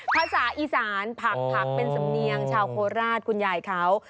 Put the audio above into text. ภาษาอีสานผักเป็นสำเนียงชาวโคราชคุณยายเขา